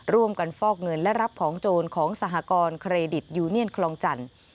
ร่วมกันฟอกเงินและรับผ่องโจรของสหกรเครดิตยูเนียนกองจันทย์